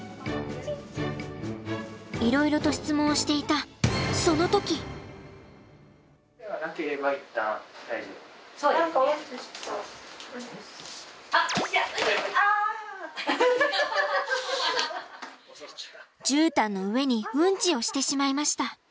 いろいろと質問をしていたじゅうたんの上にうんちをしてしまいました。